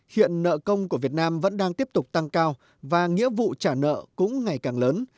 hiện nợ công của việt nam vẫn đang tiếp tục tăng cao và nghĩa vụ trả nợ cũng ngày càng lớn